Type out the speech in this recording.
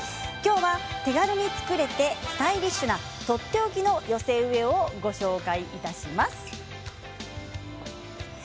きょうは、手軽に作れてスタイリッシュなとっておきの寄せ植えをご紹介いたします。